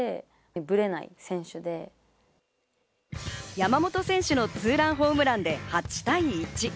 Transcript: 山本選手のツーランホームランで８対１。